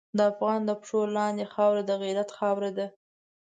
د افغان د پښو لاندې خاوره د غیرت خاوره ده.